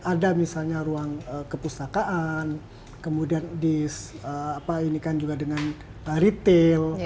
ada misalnya ruang kepustakaan kemudian di apa ini kan juga dengan retail